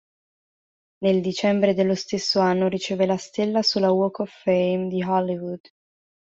Nel dicembre dello stesso anno riceve la stella sulla Walk of Fame di Hollywood.